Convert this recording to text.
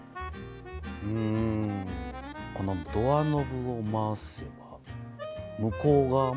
うんこのドアノブを回せば向こう側も回る。